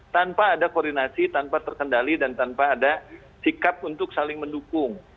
tanpa ada koordinasi tanpa terkendali dan tanpa ada sikap untuk saling mendukung